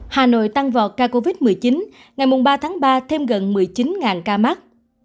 hà nội tăng vọt ca covid một mươi chín ngày ba tháng ba thêm gần một mươi chín ca mắc